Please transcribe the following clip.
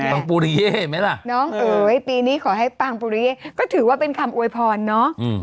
น้องปุริเย่ไหมล่ะน้องเอ๋ยปีนี้ขอให้ปางปุริเย่ก็ถือว่าเป็นคำอวยพรเนาะ